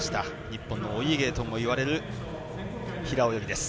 日本のお家芸とも言われる平泳ぎです。